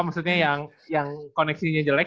maksudnya yang koneksinya jelek